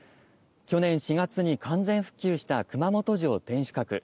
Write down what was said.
去年４月に完全復旧した熊本城の天守閣。